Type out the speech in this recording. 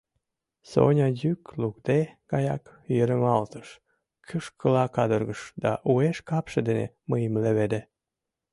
Соня йӱк лукде гаяк йырымалтыш, кӱшкыла кадыргыш да уэш капше дене мыйым леведе.